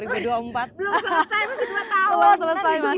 belum selesai masih dua tahun selesai